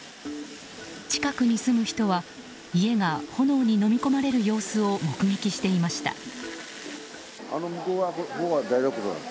近くに住む人は家が炎にのみ込まれる様子を目撃していました。